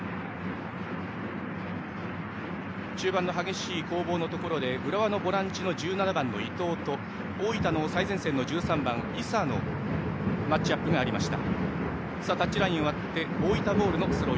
中盤の激しい攻防のところで浦和のボランチの１７番の伊藤と大分の最前線、１３番伊佐のマッチアップでした。